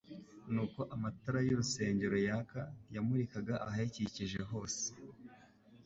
Nk'uko amatara y'urusengero yaka yamurikaga ahayakikije hose,